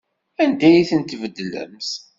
Anda ay tent-tbeddlemt?